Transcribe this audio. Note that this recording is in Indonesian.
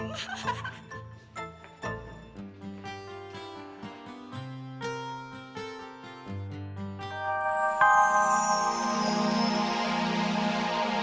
atau di sebelumnya